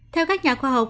theo các nhà khoa học